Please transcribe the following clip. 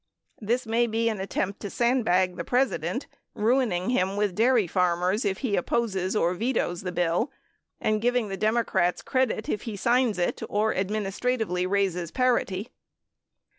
This may be in attempt to sandbag the President, ruining him with dairy farmers if he opposes or vetoes the bill, giving the Democrats credit if he signs it or administratively raises parity.